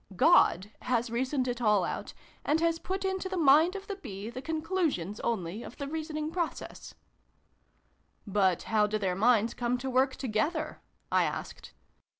God has reasoned it all out, and has put into the mind of the Bee the conclusions, only, of the reasoning process." " But how do their minds come to work together?" I asked.